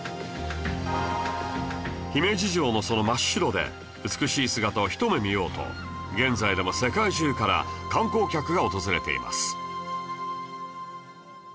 姫路城のその真っ白で美しい姿を一目見ようと現在でも世界中から観光客が訪れています